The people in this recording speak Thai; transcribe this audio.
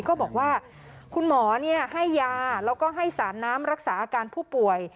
ก็บอกว่าคุณหมอให้ยาแล้วก็ให้สารน้ำรักษาอาการผู้ป่วย